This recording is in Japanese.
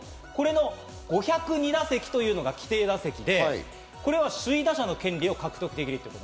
これの５０２打席というのが規定打席で、これは首位打者の権利を獲得できる。